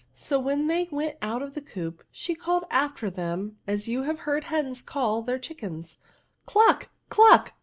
So, when they went out of the coop she called after them as you have heard hens call their chickens ; cluck! cluck!